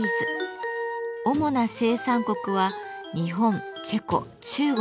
主な生産国は日本チェコ中国